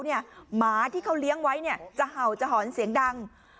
หมาที่เขาเลี้ยงไว้จะเห่าจะหอนเสียงดัง